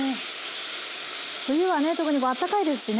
冬はね特にこうあったかいですしね。